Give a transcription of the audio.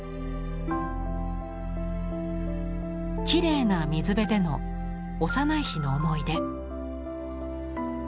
きれいな水辺での幼い日の思い出。